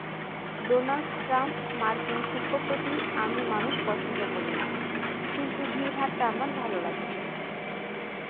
Donald Trump, মার্কিন শিল্পপতিআমি মানুষ পছন্দ করি না, কিন্তু ভিড়ভাট্টাআমার ভালো লাগে।